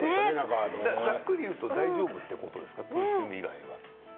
ざっくり言うと大丈夫ということですか？